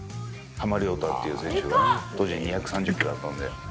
浜亮太っていう選手が当時２３０キロあったので。